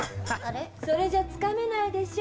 それじゃつかめないでしょ。